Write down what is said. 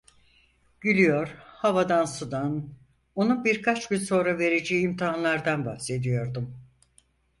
Gülüyor, havadan sudan, onun birkaç gün sonra vereceği imtihanlardan bahsediyordum.